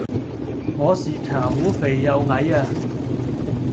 我是茶壺肥又矮呀